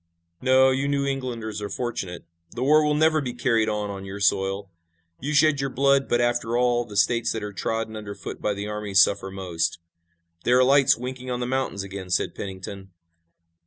"No, you New Englanders are fortunate. The war will never be carried on on your soil. You shed your blood, but, after all, the states that are trodden under foot by the armies suffer most." "There are lights winking on the mountains again," said Pennington.